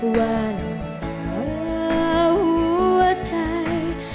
ว่าหน้าหัวใจ